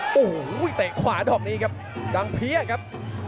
โอ้โหวีแตกขวาบนี้ครับดังเพียครับ